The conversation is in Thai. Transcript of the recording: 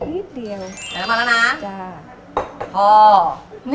ไออันน้ำมันละนะ